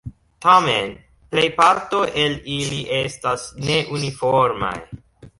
Tamen plejparto el ili estas ne uniformaj.